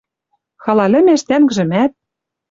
Хала лӹмеш тӓнгжӹмӓт